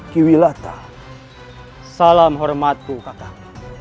kiwi lata salam hormatku kakak